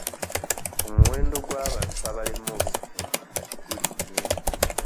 Omuwendo gw'abantu abalemwa obufumbo kati gulinnye.